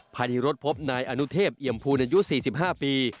ภายในรถพบนายอนุเทพเอี่ยมภูนอายุ๔๕ปี